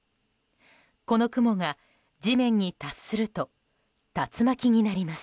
この雲が地面に達すると竜巻になります。